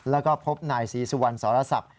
แล้วก็พบนายศรีสุวรรณสรศักดิ์